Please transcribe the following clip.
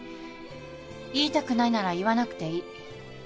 言いたくないなら言わなくていい。